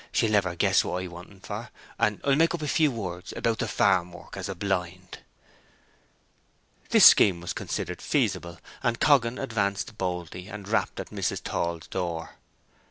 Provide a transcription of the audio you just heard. She'll never guess what I want en for; and I'll make up a few words about the farm work, as a blind." This scheme was considered feasible; and Coggan advanced boldly, and rapped at Mrs. Tall's door. Mrs.